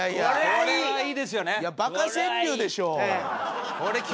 これはいいですよ。